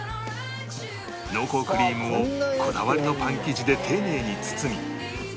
濃厚クリームをこだわりのパン生地で丁寧に包み